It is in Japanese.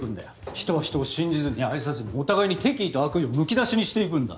人は人を信じずに愛さずにお互いに敵意と悪意をむき出しにしていくんだ。